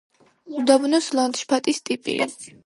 უდაბნოს ლანდშაფტის ტიპია.